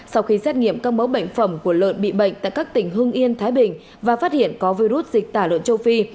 sau khi xét nghiệm các mẫu bệnh phẩm của lợn bị bệnh tại các tỉnh hưng yên thái bình và phát hiện có virus dịch tả lợn châu phi